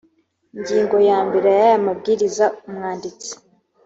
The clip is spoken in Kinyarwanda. ngingo ya mbere y aya mabwiriza umwanditsi